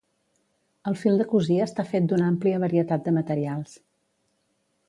El fil de cosir està fet d'una àmplia varietat de materials.